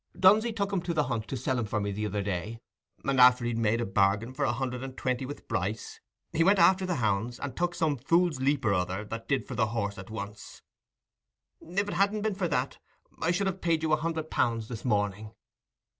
Dunsey took him to the hunt to sell him for me the other day, and after he'd made a bargain for a hundred and twenty with Bryce, he went after the hounds, and took some fool's leap or other that did for the horse at once. If it hadn't been for that, I should have paid you a hundred pounds this morning."